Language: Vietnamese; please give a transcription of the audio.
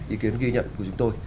ý kiến ghi nhận của chúng tôi